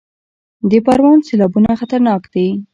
د پروان سیلابونه خطرناک دي